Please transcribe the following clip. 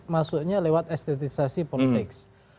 maksudnya lewat estetisasi politik